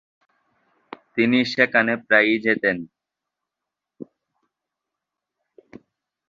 তিনি সেখানে প্রায়ই যেতেন।